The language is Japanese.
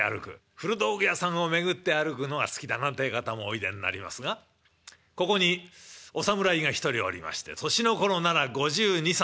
古道具屋さんを巡って歩くのが好きだなんてえ方もおいでになりますがここにお侍が１人おりまして年の頃なら５２５３。